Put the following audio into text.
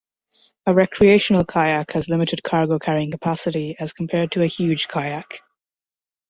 A recreational kayak has limited cargo carrying capacity as compared to a huge kayak.